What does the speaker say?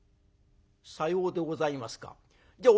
「さようでございますか。